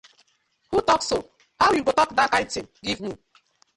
Who tok so, how yu go tok dat kind tin giv mi.